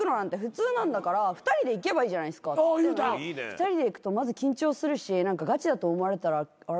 ２人で行くとまず緊張するし何かガチだと思われたらあれだから。